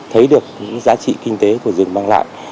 thấy được những giá trị kinh tế của rừng mang lại